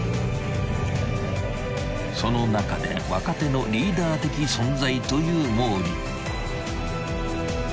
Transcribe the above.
［その中で若手のリーダー的存在という毛利］